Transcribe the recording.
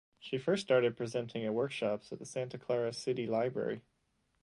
She first started presenting at workshops at the Santa Clara City Library.